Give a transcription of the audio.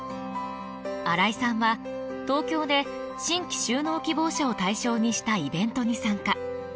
荒井さんは東京で新規就農希望者を対象にしたイベントに参加。